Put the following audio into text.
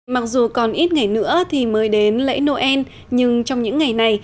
mặc dù còn ít ngày nữa thì mới đến lễ noel nhưng trong những ngày này